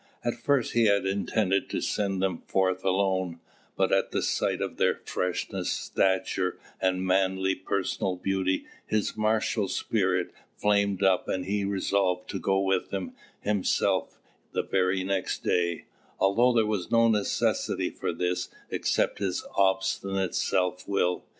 At first he had intended to send them forth alone; but at the sight of their freshness, stature, and manly personal beauty his martial spirit flamed up and he resolved to go with them himself the very next day, although there was no necessity for this except his obstinate self will.